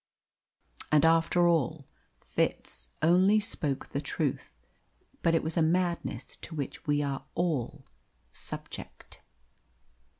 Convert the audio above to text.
And after all Fitz only spoke the truth; but it was a madness to which we are all subject.